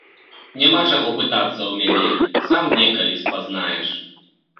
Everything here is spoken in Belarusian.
Няма чаго пытацца ў мяне, сам некалі спазнаеш.